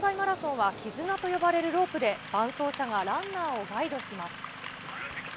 視覚障害マラソンは、きずなと呼ばれるロープで伴走者がランナーをガイドします。